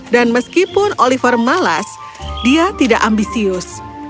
dan meskipun oliver malas dia tidak ambisius